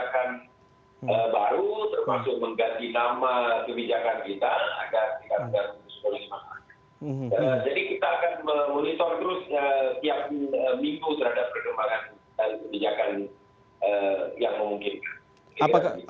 tiap minggu terhadap perkembangan kebijakan yang memungkinkan